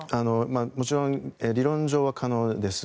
もちろん理論上は可能です。